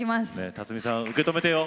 辰巳さん受け止めてよ。